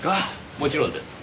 もちろんです。